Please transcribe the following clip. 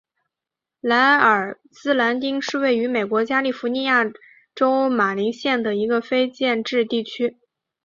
莱尔兹兰丁是位于美国加利福尼亚州马林县的一个非建制地区。